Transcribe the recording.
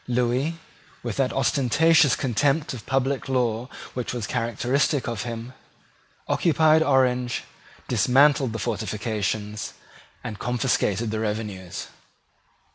Lewis, with that ostentatious contempt of public law which was characteristic of him, occupied Orange, dismantled the fortifications, and confiscated the revenues.